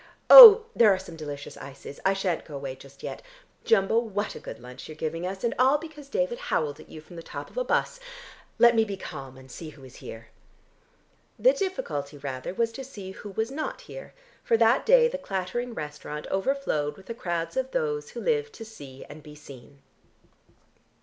Oh, there are some delicious ices. I shan't go away just yet. Jumbo, what a good lunch you're giving us, and all because David howled at you from the top of a bus. Let me be calm, and see who is here." The difficulty rather was to see who was not here, for that day the clattering restaurant overflowed with the crowds of those who live to see and be seen.